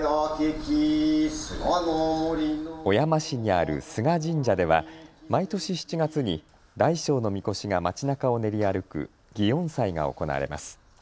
小山市にある須賀神社では毎年７月に大小のみこしが町なかを練り歩く祇園祭が行われます。